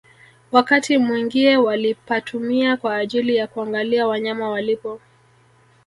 Wakati mwingie walipatumia kwa ajili ya kuangalia wanyama walipo